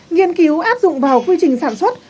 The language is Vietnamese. nghiên cứu áp dụng vào quy trình sản xuất